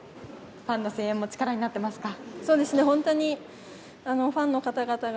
ファンの声援も力になっていますか？